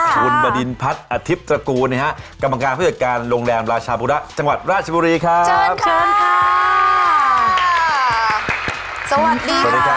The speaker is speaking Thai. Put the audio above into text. คุณบดินพัฒน์อธิบย์ตระกูลนะครับกรรมการพยาบาลการณ์โรงแรมราชบุระจังหวัดราชบุรีครับ